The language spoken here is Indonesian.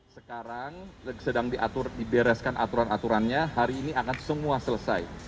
sekarang sedang diatur dibereskan aturan aturannya hari ini akan semua selesai